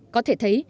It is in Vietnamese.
có thể thấy